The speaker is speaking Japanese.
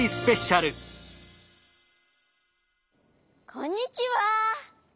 こんにちは！